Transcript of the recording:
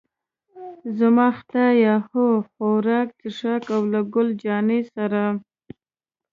زما خدایه، هو، خوراک، څښاک او له ګل جانې سره.